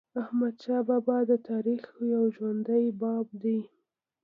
احمدشاه بابا د تاریخ یو ژوندی باب دی.